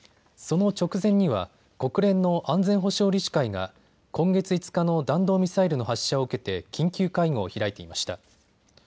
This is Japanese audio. その直前には国連の安全保障理事会が今月５日の弾道ミサイルの発射を受けて緊急会合を開いていました。